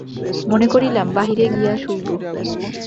মনে করিলাম, বাহিরে গিয়া শুইব।